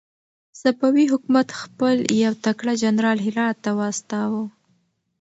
صفوي حکومت خپل يو تکړه جنرال هرات ته واستاوه.